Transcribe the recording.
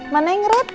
mana yang meret